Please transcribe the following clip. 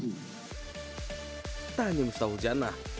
tidak hanya mustahil hujan lah